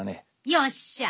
よっしゃ！